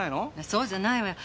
そうじゃないわよ。